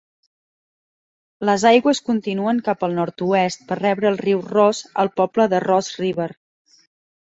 Les aigües continuen cap al nord-oest per rebre el riu Ross al poble de Ross River.